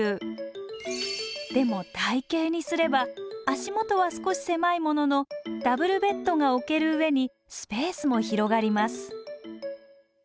でも台形にすれば足元は少し狭いもののダブルベッドが置ける上にスペースも広がります